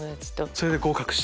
それで合格した？